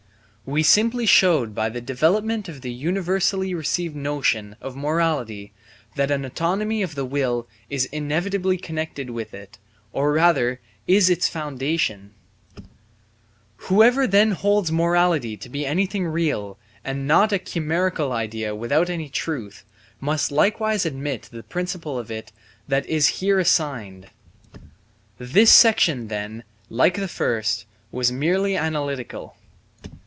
We simply showed by the development of the universally received notion of morality that an autonomy of the will is inevitably connected with it, or rather is its foundation. Whoever then holds morality to be anything real, and not a chimerical idea without any truth, must likewise admit the principle of it that is here assigned. This section then, like the first, was merely analytical.